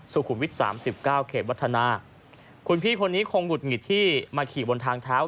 สุขุมวิท๓๙เข็ดวัฒนาคุณพี่คนนี้คงบุดหงิดที่มาขี่บนทางเท้า